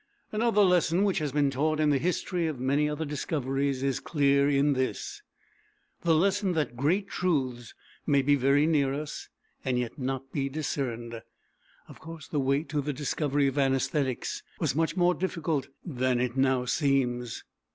Another lesson, which has been taught in the history of many other discoveries, is clear in this the lesson that great truths may be very near us and yet be not discerned. Of course, the way to the discovery of anæsthetics was much more difficult than it now seems.